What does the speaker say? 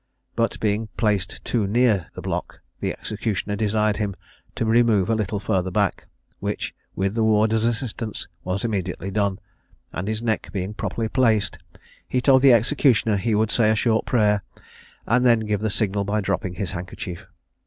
But, being placed too near the block, the executioner desired him to remove a little further back, which, with the warders' assistance, was immediately done; and, his neck being properly placed, he told the executioner he would say a short prayer, and then give the signal by dropping his handkerchief.